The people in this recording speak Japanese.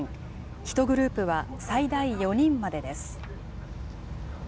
１グループは最大４人までです。